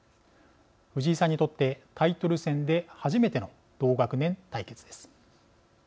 藤井さんにとってタイトル戦で初めての同学年対決です。